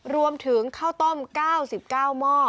รวมถึงข้าวต้ม๙๙หม้อ